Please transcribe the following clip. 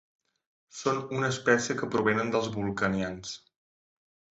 Són una espècie que provenen dels vulcanians.